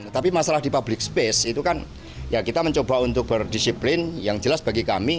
tapi masalah di public space itu kan ya kita mencoba untuk berdisiplin yang jelas bagi kami